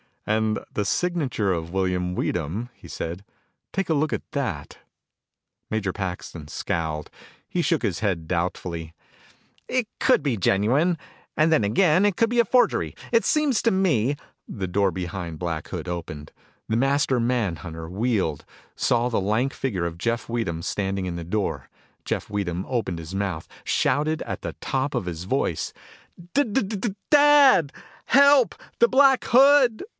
"And the signature of William Weedham," he said. "Take a look at that?" Major Paxton scowled. He shook his head doubtfully. "It could be genuine. And then again, it could be a forgery. It seems to me " The door behind Black Hood opened. The master manhunter wheeled, saw the lank figure of Jeff Weedham standing in the door. Jeff Weedham opened his mouth, shouted at the top of his voice. "D d dad! Help! The Black Hood!"